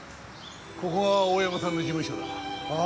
ここが大山さんの事務所だ。